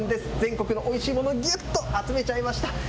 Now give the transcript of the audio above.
全国のおいしいものぎゅっと集めちゃいました。